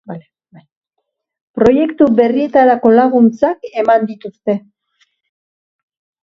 Proiektu berrietarako laguntzak eman dituzte.